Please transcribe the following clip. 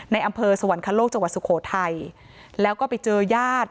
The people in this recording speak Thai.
อำเภอสวรรคโลกจังหวัดสุโขทัยแล้วก็ไปเจอญาติ